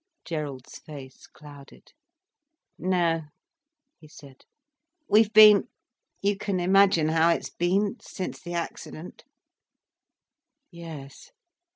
Gerald's face clouded. "No," he said. "We've been—you can imagine how it's been, since the accident." "Yes.